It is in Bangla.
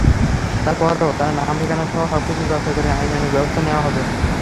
তার পরও তাঁর নাম-ঠিকানাসহ সবকিছু যাচাই করে আইনানুগ ব্যবস্থা নেওয়া হবে।